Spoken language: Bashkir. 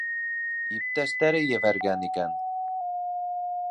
Иптәштәре ебәргән икән.